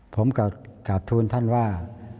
ผมก็กราบทูลท่านว่า